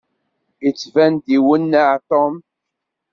Yettban-d iwenneɛ Tom.